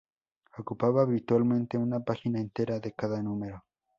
Ocupaba habitualmente una página entera de cada número.